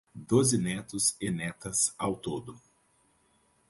Doze netos e netas ao todo